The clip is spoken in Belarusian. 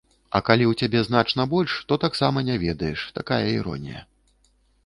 А калі ў цябе значна больш, то таксама не ведаеш, такая іронія.